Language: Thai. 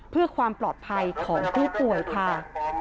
เพื่อความปลอดภัยของผู้ป่วยค่ะ